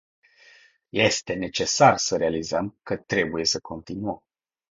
Este necesar să realizăm că trebuie să continuăm.